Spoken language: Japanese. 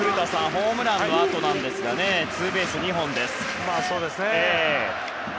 ホームランのあとなんですがツーベース２本です。